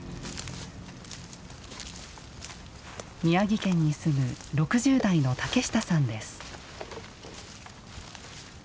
宮城県に住む６０代の竹下さんです。